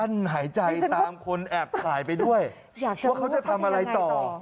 อยากจะรู้ว่าเขาจะอย่างไรต่อว่าทำอะไรต่อ